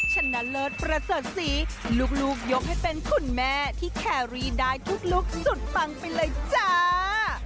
ชนะเลิศประเสริฐศรีลูกยกให้เป็นคุณแม่ที่แครรี่ได้ทุกลุคสุดปังไปเลยจ้า